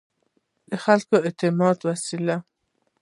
د خلکو اعتماد وساته.